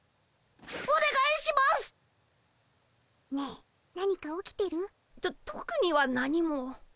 ねえ何か起きてる？ととくには何も。